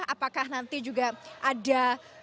apakah nanti juga ada